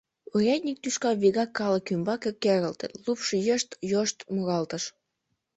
Урядник тӱшка вигак калык ӱмбаке керылте, лупш йышт-йошт муралтыш.